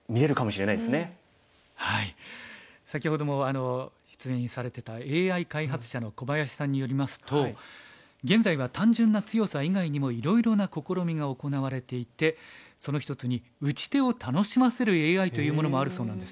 先ほども出演されてたＡＩ開発者の小林さんによりますと現在は単純な強さ以外にもいろいろな試みが行われていてその一つに打ち手を楽しませるＡＩというものもあるそうなんです。